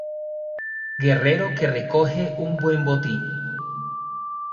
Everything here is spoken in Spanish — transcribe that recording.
Guerrero que recoge un buen botín.